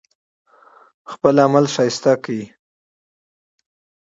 خپل عمل ښکلی کړئ